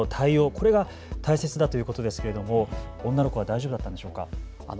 これが大切だということですけれども女の子大丈夫だったんでしょうか。